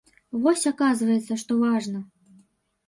Вось, аказваецца, што важна.